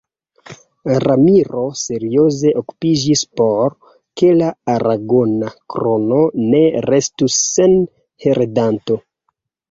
Ramiro serioze okupiĝis por ke la Aragona Krono ne restu sen heredanto.